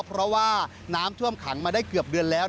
เพราะว่าน้ำท่วมขังมาได้เกือบเดือนแล้ว